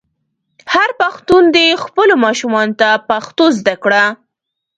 هر پښتون دې خپلو ماشومانو ته پښتو زده کړه.